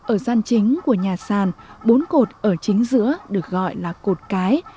ở gian chính của nhà sàn bốn cột ở chính giữa được gọi là cột cái